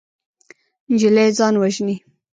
نجلۍ ځان وژني.